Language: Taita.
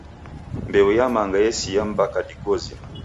Mbeu ya manga yesia mpaka diguo zima